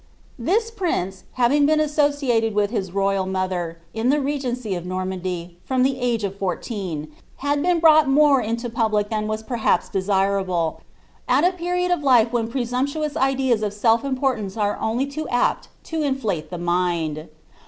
Thia prince, having been associated with his royal mother, in iki regency of Normandy, from the age of fourteen, had been brought more into public than was perhaps desirable, at a period of life when presuro)) tnous ideas of self importance are only too apt to inflate the mind.